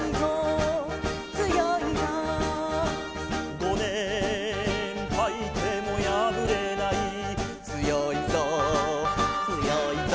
「ごねんはいてもやぶれない」「つよいぞつよいぞ」